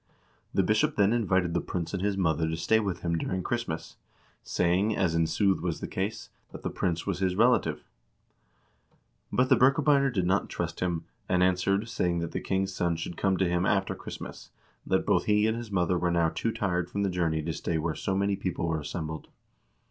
The bishop then invited the prince and his mother to stay with him during Christmas, saying, as in sooth was the case, that the prince was his relative. But the Birke beiner did not trust him, and answered, saying that the king's son should come to him after Christmas, that both he and his mother were now too tired from the journey to stay where so many people were assembled.